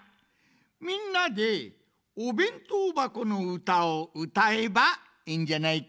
みんなで「おべんとうばこのうた」をうたえばええんじゃないか？